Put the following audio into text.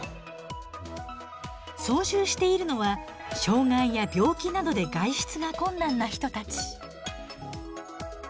操縦しているのは障害や病気などで外出が困難な人たち。